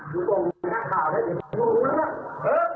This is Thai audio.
มีความต้องกัน